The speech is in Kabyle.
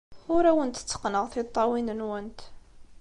Ur awent-tteqqneɣ tiṭṭawin-nwent.